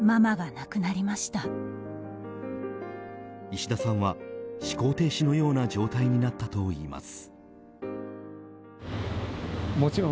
石田さんは思考停止のような状態になったといいます。